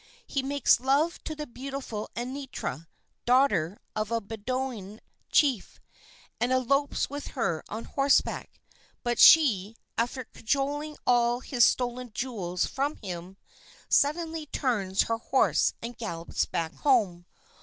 He makes love to the beautiful Anitra, daughter of a Bedouin chief, and elopes with her on horseback; but she, after cajoling all his stolen jewels from him, suddenly turns her horse and gallops back home.